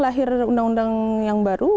lahir undang undang yang baru